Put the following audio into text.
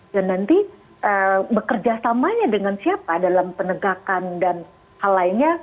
dan nanti bekerja samanya dengan siapa dalam penegakan dan hal lainnya